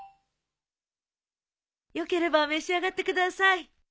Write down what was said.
よければ召し上がってください。